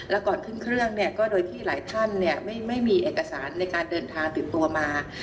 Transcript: แล้วก่อนขึ้นเครื่องเนี่ยก็โดยที่หลายท่านไม่มีเอกสารในการเดินทางติดตัวมา